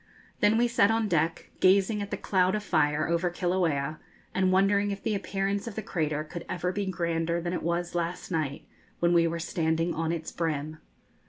Then we sat on deck, gazing at the cloud of fire over Kilauea, and wondering if the appearance of the crater could ever be grander than it was last night, when we were standing on its brim.